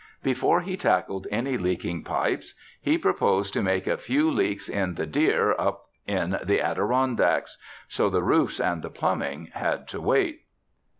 Before he tackled any leaking pipes he proposed to make a few leaks in the deer up in the Adirondacks. So the roofs and the plumbing had to wait.